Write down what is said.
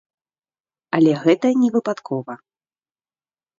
Але гэта не выпадкова.